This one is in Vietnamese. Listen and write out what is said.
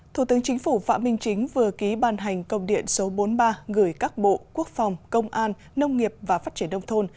thủ tướng chính phủ phạm minh chính vừa ký ban hành công điện số bốn mươi ba gửi các bộ quốc phòng công an nông nghiệp và phát triển đông thôn